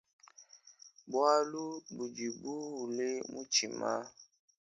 Bualu budi buule mu mutshima.